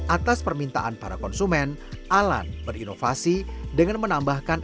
atas permintaan para konsumen alan berinovasi dengan menambahkan